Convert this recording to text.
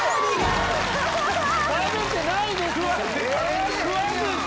食べてないですよ！